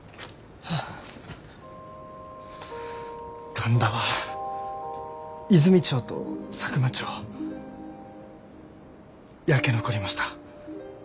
神田は和泉町と佐久間町焼け残りました。